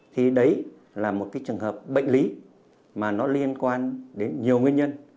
thì đấy là một cái trường hợp bệnh lý mà nó liên quan đến nhiều nguyên nhân